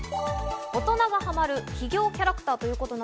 大人がハマる企業キャラクターです。